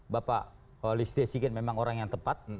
bapak lisde sighin memang orang yang tepat